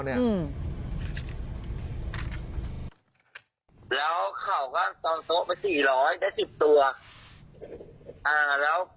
แล้วเขาก็สอนโต๊ะไป๔๐๐ได้๑๐ตัว